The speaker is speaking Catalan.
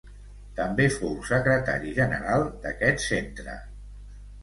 També fou secretari general d'aquest centre.